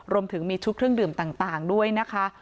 รวมถึงมีชุดเครื่องดื่มต่างด้วยนะคะ